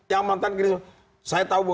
yang mantan saya tahu